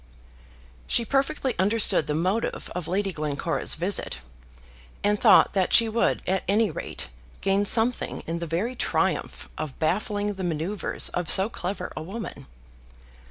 She perfectly understood the motive of Lady Glencora's visit, and thought that she would at any rate gain something in the very triumph of baffling the manoeuvres of so clever a woman.